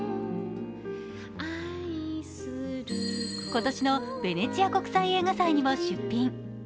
今年のヴェネチア国際映画祭にも出品。